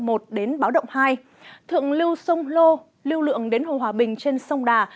đến báo động hai thượng lưu sông lô lưu lượng đến hồ hòa bình trên sông đà